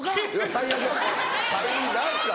最悪だ何ですか？